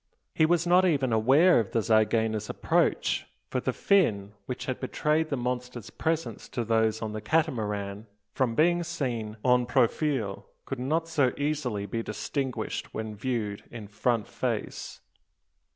He was not even aware of the zygaena's approach; for the fin, which had betrayed the monster's presence to those on the Catamaran, from being seen en profile, could not so easily be distinguished when viewed in "front face."